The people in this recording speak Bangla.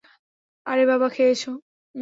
আরে বাবা খেয়েছো?